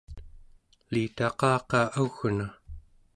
elitaqaqa au͡gna